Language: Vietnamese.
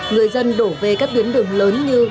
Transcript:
người dân đổ về các tuyến đường lớn như